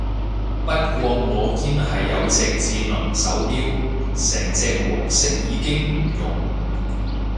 不過我堅係有隻智能手錶，成隻黃色已經唔用